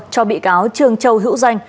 cho bị cáo trương châu hữu danh